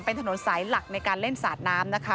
เป็นถนนสายหลักในการเล่นสาดน้ำนะคะ